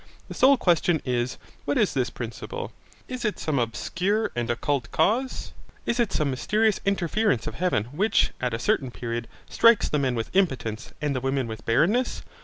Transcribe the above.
The sole question is, what is this principle? is it some obscure and occult cause? Is it some mysterious interference of heaven which, at a certain period, strikes the men with impotence, and the women with barrenness?